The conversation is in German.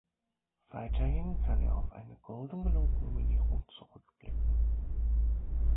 Weiterhin kann er auf eine Golden Globe Nominierung zurückblicken.